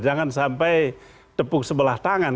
jangan sampai tepuk sebelah tangan